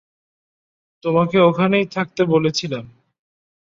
তোমাকে ওখানেই থাকতে বলেছিলাম।